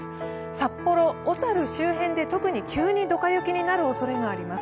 札幌、小樽周辺で特に急にドカ雪になるおそれがあります。